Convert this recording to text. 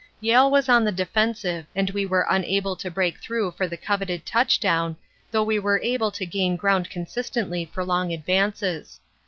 "Yale was on the defensive and we were unable to break through for the coveted touchdown, though we were able to gain ground consistently for long advances.